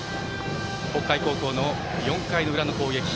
北海高校の４回の裏の攻撃。